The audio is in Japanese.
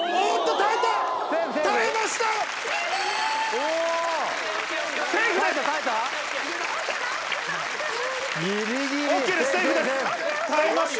耐えました。